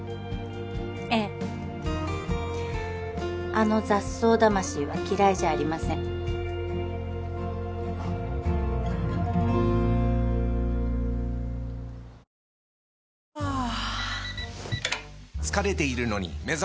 ええあの雑草魂は嫌いじゃありませんよっ！